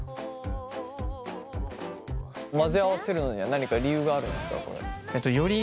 混ぜ合わせるのには何か理由があるんですか？